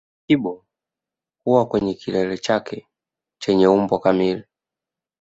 Kibo huwa kwenye kilele chake chenye umbo kamili